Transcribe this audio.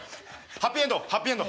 ハッピーエンドをハッピーエンドを。